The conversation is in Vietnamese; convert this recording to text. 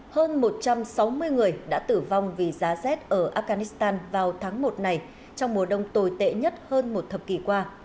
hơn một trăm sáu mươi người đã tử vong vì giá rét ở afghanistan vào tháng một này trong mùa đông tồi tệ nhất hơn một thập kỷ qua